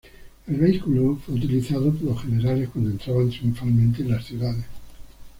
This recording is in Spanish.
El vehículo fue utilizado por los generales cuando entraban triunfalmente en las ciudades.